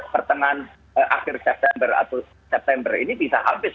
pertengahan akhir september atau september ini bisa habis